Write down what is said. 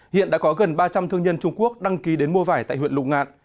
hiện đã có gần ba trăm linh thương nhân trung quốc đăng ký đến mua vải tại huyện lục ngạn